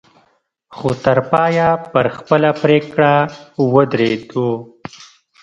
خو تر پايه پر خپله پرېکړه ودرېدو.